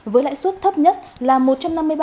với lãi suất thấp nhất là một triệu đồng